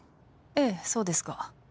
ええそうですが。